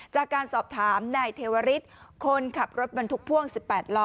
จากการสอบถามนายเทวริสคนขับรถบรรทุกพ่วง๑๘ล้อ